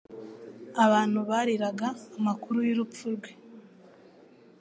Abantu bariraga amakuru y'urupfu rwe.